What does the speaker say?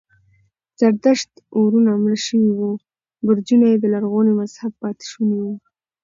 زردشت اورونه مړه شوي وو، برجونه یې د لرغوني مذهب پاتې شوني و.